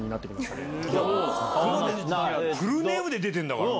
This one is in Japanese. フルネームで出てんだから。